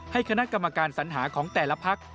คณะกรรมการสัญหาของแต่ละพัก